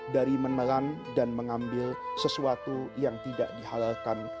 dari menelan dan mengambil sesuatu yang tidak dihalalkan